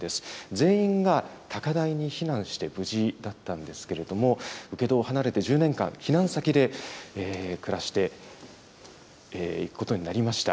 全員が高台に避難して無事だったんですけれども、請戸を離れて１０年間、避難先で暮らしていくことになりました。